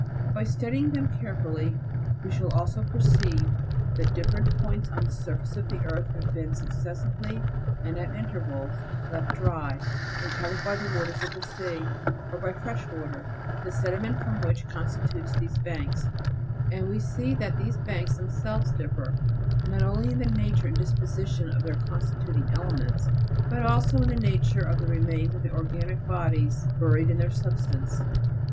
By studying them carefully we shall also perceive that different points on the surface of the earth have been successively, and at intervals, left dry, and covered by the waters of the sea, or by fresh water, the sediment from which constitutes these banks, and we see that these banks themselves differ, not only in the nature and disposi tion of their constituting elements, but also in the nature of the remains of the organic bodies buried in their substance.